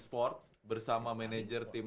sport bersama manajer tim